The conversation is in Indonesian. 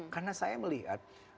karena saya melihat